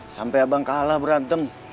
sampai abang kalah berantem